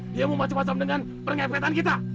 dia mau macem macem dengan pengepetan kita